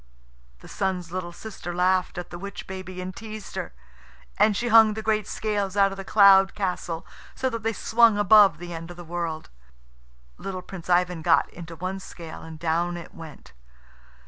The Sun's little sister laughed at the witch baby and teased her, and she hung the great scales out of the cloud castle so that they swung above the end of the world. Little Prince Ivan got into one scale, and down it went.